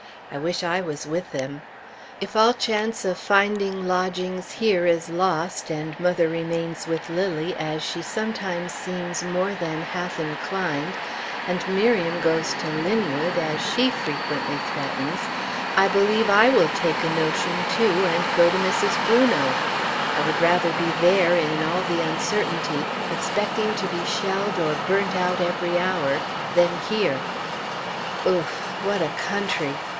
I wish I was with them! If all chance of finding lodgings here is lost, and mother remains with Lilly, as she sometimes seems more than half inclined, and Miriam goes to Linwood, as she frequently threatens, I believe I will take a notion, too, and go to Mrs. Brunot! I would rather be there, in all the uncertainty, expecting to be shelled or burnt out every hour, than here. Ouf! what a country!